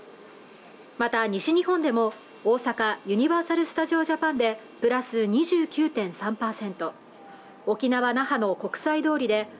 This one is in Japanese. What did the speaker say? また西日本でも大阪ユニバーサルスタジオジャパンでプラス２９．３％